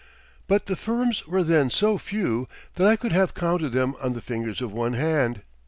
But the firms were then so few that I could have counted them on the fingers of one hand.